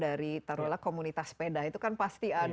dari taruhlah komunitas sepeda itu kan pasti ada